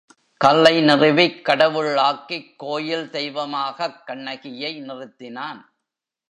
கல்லை நிறுவிக் கடவுள் ஆக்கிக் கோயில் தெய்வமாகக் கண்ணகியை நிறுத்தினான்.